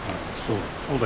そう。